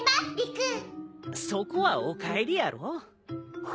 そこは「おかえり」やろ。